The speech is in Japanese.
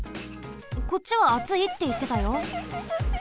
こっちはあついっていってたよ。